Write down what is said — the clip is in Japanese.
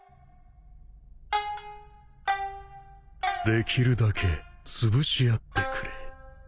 できるだけつぶし合ってくれ。